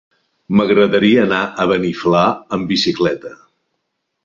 M'agradaria anar a Beniflà amb bicicleta.